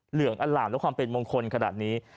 เหลืองอล่ามและความเป็นมงคลขนาดนี้